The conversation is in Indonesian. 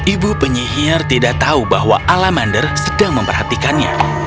ibu penyihir tidak tahu bahwa alamander sedang memperhatikannya